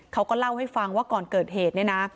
เขาก็เล่าให้ฟังว่าก่อนเกิดเหตุเนี่ยนะ